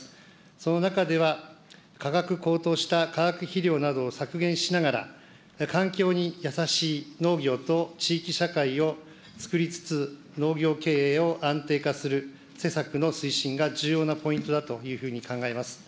その中では、価格高騰した化学肥料などを削減しながら、環境に優しい農業と地域社会をつくりつつ、農業経営を安定化する施策の推進が重要なポイントだというふうに考えます。